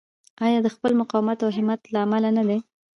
آیا د خپل مقاومت او همت له امله نه دی؟